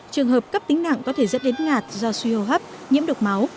trường hợp cấp tính nặng có thể dẫn đến ngạt do suy hô hấp nhiễm độc máu